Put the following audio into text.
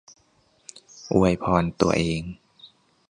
อวยพรตัวเอง